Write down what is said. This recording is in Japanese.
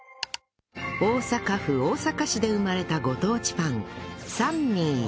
大阪府大阪市で生まれたご当地パンサンミー